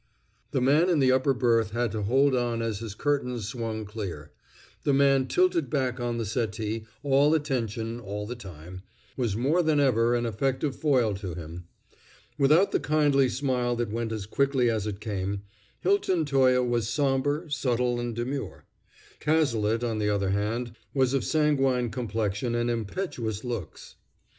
The man in the upper berth had to hold on as his curtains swung clear; the man tilted back on the settee, all attention all the time, was more than ever an effective foil to him. Without the kindly smile that went as quickly as it came, Hilton Toye was somber, subtle and demure. Cazalet, on the other hand, was of sanguine complexion and impetuous looks.